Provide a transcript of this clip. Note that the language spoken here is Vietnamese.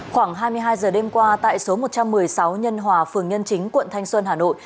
khoảng hai mươi hai giờ đêm qua tại số một trăm một mươi sáu nhân hòa phường nhân chính quận thanh xuân hà nội